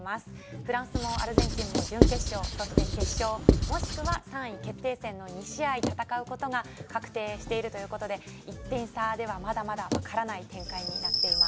フランスもアルゼンチンも準決勝、そして決勝もしくは３位決定戦の２試合戦うことが確定しているということで１点差では、まだまだ分からない展開になっています。